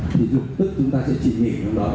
thì lục tức chúng ta sẽ chịu nghỉ làm đòi